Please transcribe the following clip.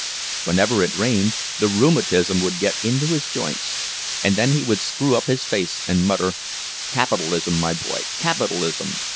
Whenever it rained, the rheumatism would get into his joints, and then he would screw up his face and mutter: "Capitalism, my boy, capitalism!